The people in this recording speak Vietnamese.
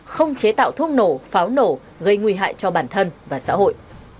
không chế tạo thuốc nổ pháo nổ gây nguy hại cho bản thân và xã hội